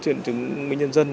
chuyển chứng minh nhân dân